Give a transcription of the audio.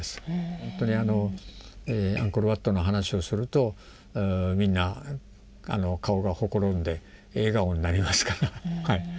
ほんとにあのアンコール・ワットの話をするとみんな顔がほころんで笑顔になりますから。